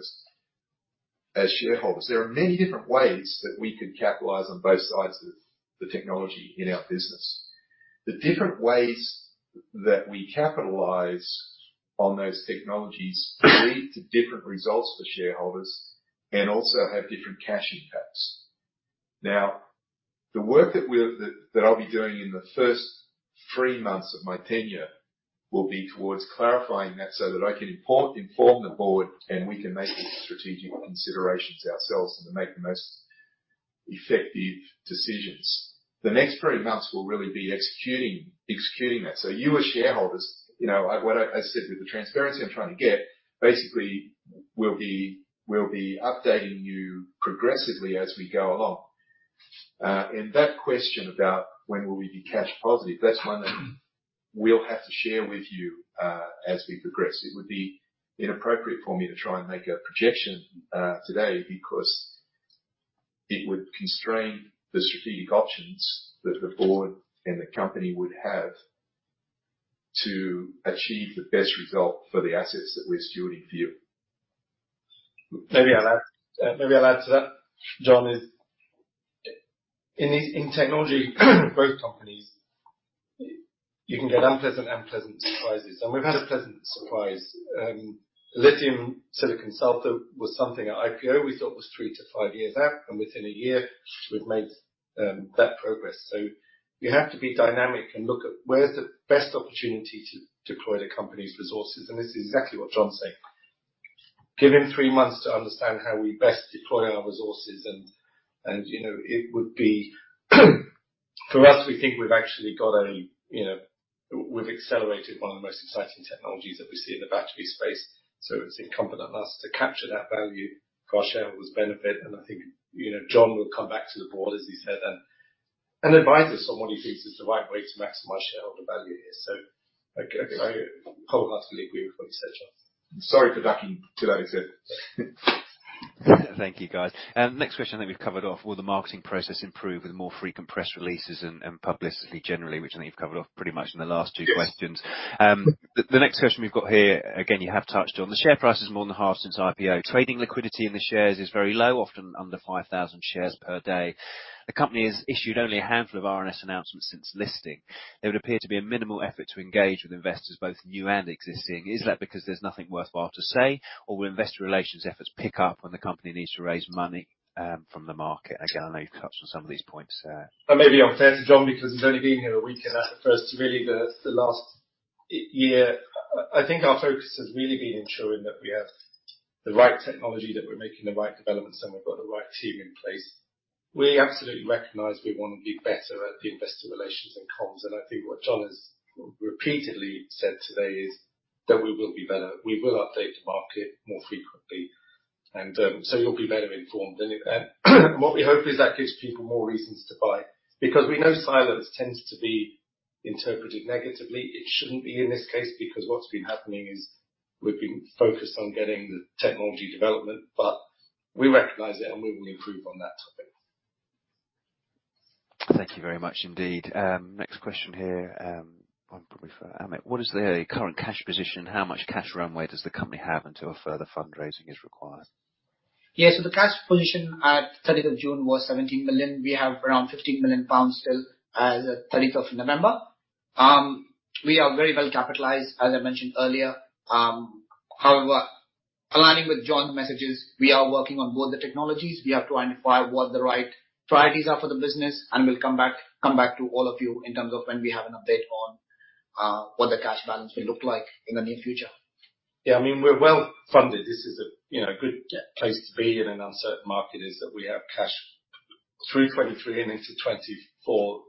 as shareholders. There are many different ways that we could capitalize on both sides of the technology in our business. The different ways that we capitalize on those technologies lead to different results for shareholders and also have different cash impacts. The work that I'll be doing in the first three months of my tenure will be towards clarifying that so that I can inform the board, and we can make the strategic considerations ourselves and to make the most effective decisions. The next three months will really be executing that. You as shareholders, you know, what I said with the transparency I'm trying to get, basically we'll be updating you progressively as we go along. That question about when will we be cash positive, that's one that we'll have to share with you as we progress. It would be inappropriate for me to try and make a projection, today because it would constrain the strategic options that the board and the company would have to achieve the best result for the assets that we're stewarding for you. Maybe I'll add to that, John. In technology growth companies, you can get unpleasant and pleasant surprises, and we've had a pleasant surprise. Lithium-silicon-sulfur was something at IPO we thought was three to five years out, and within a year we've made that progress. You have to be dynamic and look at where's the best opportunity to deploy the company's resources. This is exactly what John's saying. Give him three months to understand how we best deploy our resources and, you know, it would be. For us, we think we've actually got a, you know, we've accelerated one of the most exciting technologies that we see in the battery space, so it's incumbent on us to capture that value for our shareholders' benefit. I think, you know, John will come back to the board, as he said, and advise us on what he thinks is the right way to maximize shareholder value here. I wholeheartedly agree with what you said, John. Sorry for ducking today. Thank you, guys. Next question I think we've covered off. Will the marketing process improve with more frequent press releases and publicity generally, which I think you've covered off pretty much in the last two questions. The next question we've got here, again, you have touched on. The share price is more than half since IPO. Trading liquidity in the shares is very low, often under 5,000 shares per day. The company has issued only a handful of RNS announcements since listing. There would appear to be a minimal effort to engage with investors, both new and existing. Is that because there's nothing worthwhile to say, or will investor relations efforts pick up when the company needs to raise money from the market? I know you've touched on some of these points there. I may be unfair to John because he's only been here a week and asked for us really the last year. I think our focus has really been ensuring that we have the right technology, that we're making the right developments, and we've got the right team in place. We absolutely recognize we wanna be better at the investor relations and comms. I think what John has repeatedly said today is that we will be better. We will update the market more frequently, so you'll be better informed. What we hope is that gives people more reasons to buy, because we know silence tends to be interpreted negatively. It shouldn't be in this case because what's been happening is we've been focused on getting the technology development, but we recognize it and we will improve on that topic. Thank you very much indeed. Next question here, one probably for Amit. What is the current cash position? How much cash runway does the company have until further fundraising is required? Yeah. The cash position at 30th of June was 17 million. We have around 15 million pounds, as at 30th of November. We are very well capitalized, as I mentioned earlier. However, aligning with John's messages, we are working on both the technologies. We have to identify what the right priorities are for the business, and we'll come back to all of you in terms of when we have an update on what the cash balance may look like in the near future. Yeah. I mean, we're well-funded. This is a, you know, good place to be in an uncertain market, is that we have cash through 2023 and into 2024.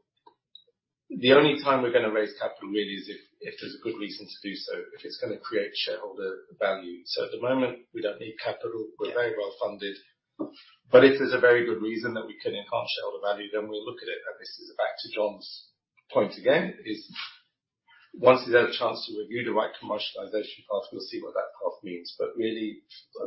The only time we're going to raise capital really is if there's a good reason to do so, if it's going to create shareholder value. At the moment, we don't need capital. We're very well funded. If there's a very good reason that we can enhance shareholder value, then we'll look at it. This is back to John's point again, is once he's had a chance to review the right commercialization path, we'll see what that path means. Really,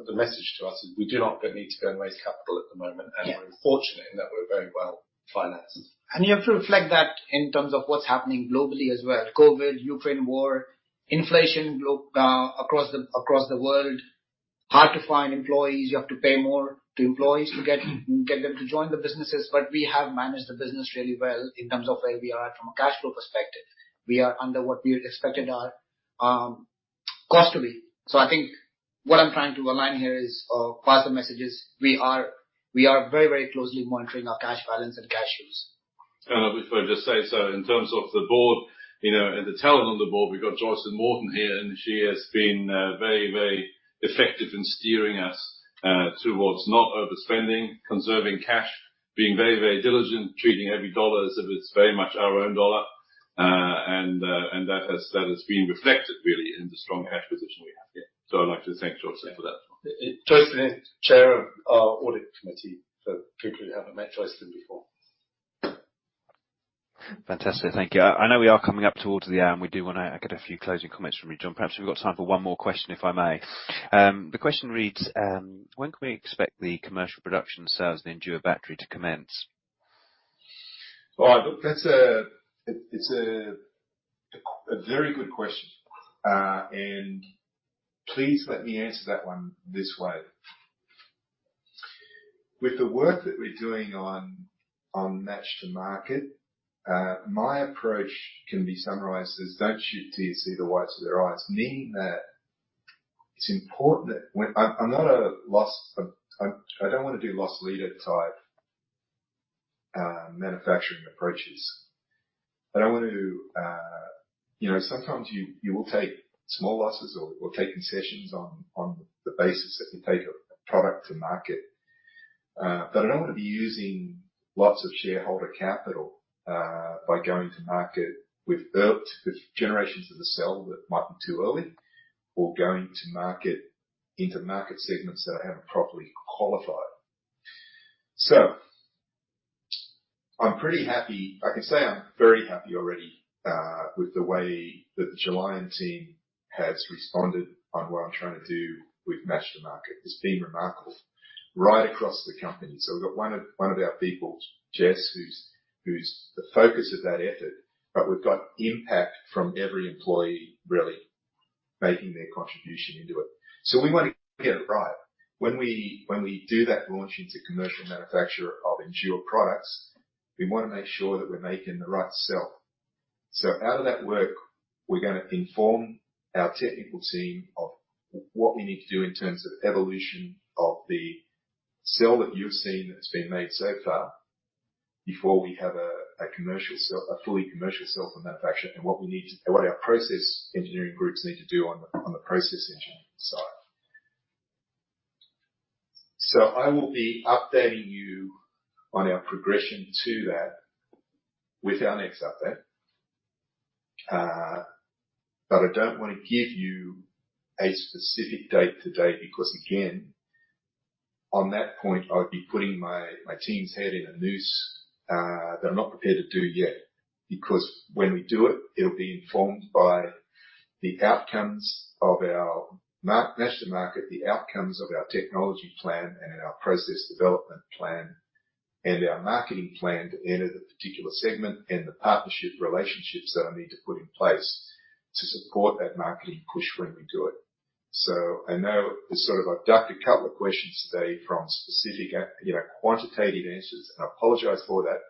the message to us is we do not need to go and raise capital at the moment. Yeah. We're fortunate in that we're very well financed. You have to reflect that in terms of what's happening globally as well. COVID, Ukraine war, inflation across the world. Hard to find employees. You have to pay more to employees to get them to join the businesses. We have managed the business really well in terms of where we are at from a cash flow perspective. We are under what we expected our cost to be. I think what I'm trying to align here is part of the message is, we are very, very closely monitoring our cash balance and cash use. If I just say so in terms of the board, you know, and the talent on the board, we've got Joycelyn Morton here, and she has been very, very effective in steering us towards not overspending, conserving cash, being very, very diligent, treating every dollar as if it's very much our own dollar. That has been reflected really in the strong cash position we have here. So I'd like to thank Joycelyn for that. Jo is the chair of our audit committee for people who haven't met Joycelyn before. Fantastic. Thank you. I know we are coming up towards the hour, and we do wanna get a few closing comments from you, John. Perhaps we've got time for one more question, if I may. The question reads, "When can we expect the commercial production cells of the Endure battery to commence? Well, look, that's a very good question. Please let me answer that one this way. With the work that we're doing on match to market, my approach can be summarized as don't shoot till you see the whites of their eyes. Meaning that it's important that when I don't wanna do loss leader type manufacturing approaches. I want to, you know, sometimes you will take small losses or take concessions on the basis that can take a product to market. I don't wanna be using lots of shareholder capital by going to market with generations of the cell that might be too early or going to market into market segments that I haven't properly qualified. I'm pretty happy. I can say I'm very happy already with the way that the Gelion team has responded on what I'm trying to do with match to market. It's been remarkable right across the company. We've got one of our people, Jess, who's the focus of that effort, but we've got impact from every employee really making their contribution into it. We wanna get it right. When we do that launch into commercial manufacture of Endure products, we wanna make sure that we're making the right cell. Out of that work, we're gonna inform our technical team of what we need to do in terms of evolution of the cell that you've seen that's been made so far before we have a commercial cell, a fully commercial cell manufactured and what we need to, what our process engineering groups need to do on the process engineering side. So, I will be updating you on our progression to that with our next update. I don't want to give you a specific date today because, again, on that point I'd be putting my team's head in a noose that I'm not prepared to do yet. When we do it'll be informed by the outcomes of our match to market, the outcomes of our technology plan and our process development plan and our marketing plan to enter the particular segment and the partnership relationships that I need to put in place to support that marketing push when we do it. I know this sort of abducted a couple of questions today from specific, you know, quantitative answers, and I apologize for that,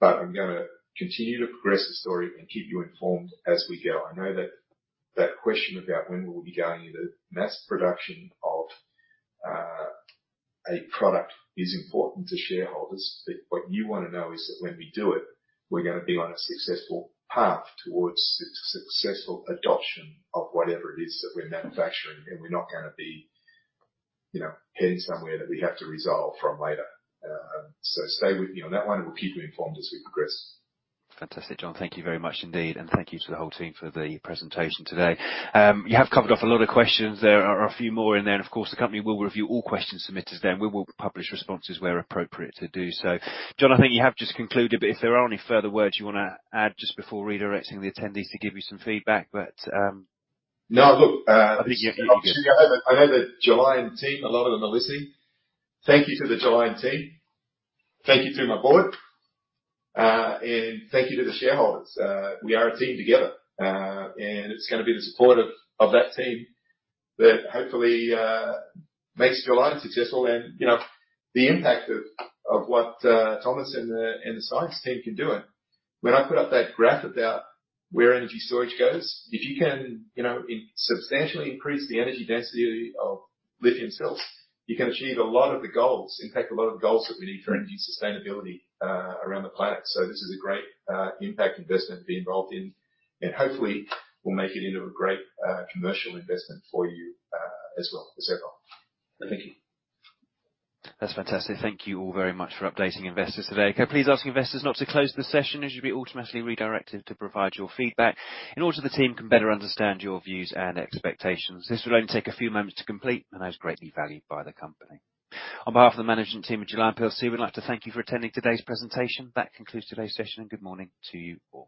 but I'm gonna continue to progress the story and keep you informed as we go. I know that question about when we'll be going into mass production of a product is important to shareholders. What you wanna know is that when we do it, we're gonna be on a successful path towards successful adoption of whatever it is that we're manufacturing, and we're not gonna be, you know, heading somewhere that we have to resolve from later. Stay with me on that one, and we'll keep you informed as we progress. Fantastic, John. Thank you very much indeed. Thank you to the whole team for the presentation today. You have covered off a lot of questions. There are a few more in there, and of course, the company will review all questions submitted to them. We will publish responses where appropriate to do so. John, I think you have just concluded, but if there are any further words you wanna add just before redirecting the attendees to give you some feedback. No. Look. I think you're good. I know the Gelion team, a lot of them are listening. Thank you to the Gelion team. Thank you to my board. Thank you to the shareholders. We are a team together. It's gonna be the support of that team that hopefully makes Gelion successful and, you know, the impact of what Thomas and the science team can do. When I put up that graph about where energy storage goes, if you can, you know, substantially increase the energy density of lithium cells, you can achieve a lot of the goals, in fact, a lot of the goals that we need for energy sustainability around the planet. This is a great impact investment to be involved in, and hopefully we'll make it into a great commercial investment for you as well. Thank you. That's fantastic. Thank you all very much for updating investors today. Can I please ask investors not to close the session, as you'll be automatically redirected to provide your feedback in order the team can better understand your views and expectations. This will only take a few moments to complete and is greatly valued by the company. On behalf of the management team at Gelion plc, we'd like to thank you for attending today's presentation. That concludes today's session, and good morning to you all.